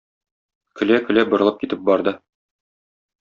Көлә-көлә борылып китеп барды.